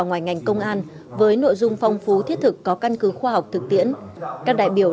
ngoài ngành công an với nội dung phong phú thiết thực có căn cứ khoa học thực tiễn các đại biểu